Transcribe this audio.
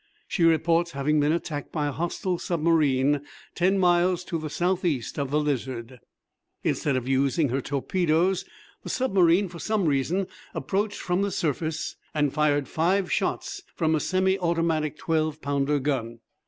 She reports having been attacked by a hostile submarine ten miles to the south east of the Lizard. Instead of using her torpedoes, the submarine for some reason approached from the surface and fired five shots from a semi automatic twelve pounder gun.